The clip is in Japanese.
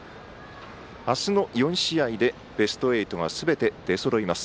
明日の４試合でベスト８がすべて出そろいます。